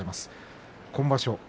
今場所。